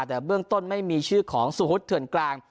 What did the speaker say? แต่เบื้องต้นไม่มีชื่อของสุฮุตเถื่อนกลาง